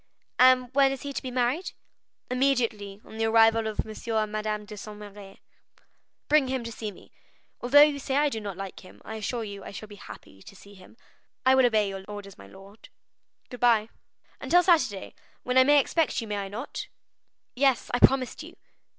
"And when is he to be married?" "Immediately on the arrival of M. and Madame de Saint Méran." "Bring him to see me. Although you say I do not like him, I assure you I shall be happy to see him." "I will obey your orders, my lord." "Good bye." "Until Saturday, when I may expect you, may I not?" "Yes, I promised you."